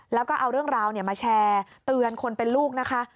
แล้วก็เอาเรื่องราวมาแชร์เตือนคนเป็นลูกนะคะ